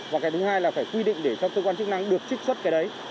và cái thứ hai là phải quy định để cho cơ quan chức năng được trích xuất cái đấy